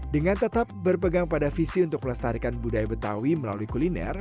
dengan tetap berpegang pada visi untuk melestarikan budaya betawi melalui kuliner